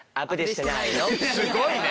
すごいね。